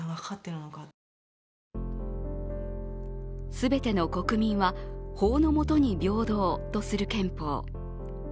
全ての国民は法の下に平等とする憲法。